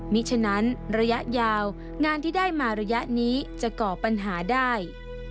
มีฉะนั้นระยะยาวงานที่ได้มาระยะนี้จะก่อปัญหาได้